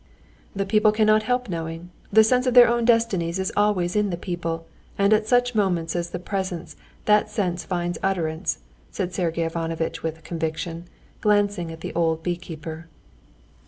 "The people cannot help knowing; the sense of their own destinies is always in the people, and at such moments as the present that sense finds utterance," said Sergey Ivanovitch with conviction, glancing at the old bee keeper.